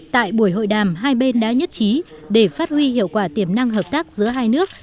tại buổi hội đàm hai bên đã nhất trí để phát huy hiệu quả tiềm năng hợp tác giữa hai nước